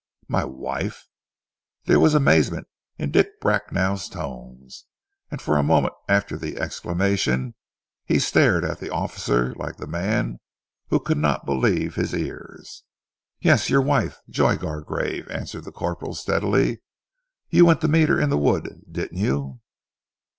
"My wife!" There was amazement in Dick Bracknell's tones, and for a moment after the exclamation he stared at the officer like the man who could not believe his ears. "Yes, your wife, Joy Gargrave," answered the corporal steadily. "You went to meet her in the wood, didn't you?"